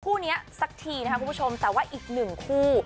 คู่นี้สักทีนะคะคุณผู้ชมแต่ว่าอีกหนึ่งคู่